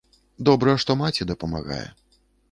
Добра, што маці дапамагае.